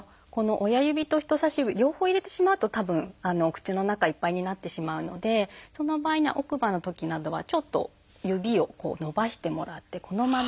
親指と人差し指両方入れてしまうとたぶんお口の中いっぱいになってしまうのでその場合には奥歯のときなどはちょっと指を伸ばしてもらってこのまま。